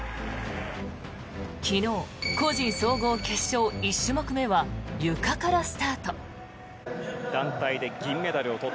昨日、個人総合決勝１種目目はゆかからスタート。